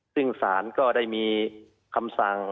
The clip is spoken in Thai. ซึ่งสารจะมีคำสั่ง